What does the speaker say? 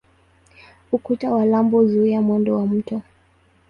Ukuta wa lambo huzuia mwendo wa mto.